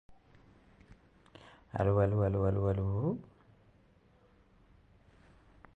Kilwinning Rangers Football Club are a Scottish football club from Kilwinning, Ayrshire.